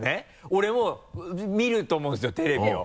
俺も見ると思うんですよテレビを。